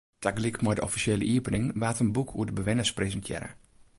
Tagelyk mei de offisjele iepening waard in boek oer de bewenners presintearre.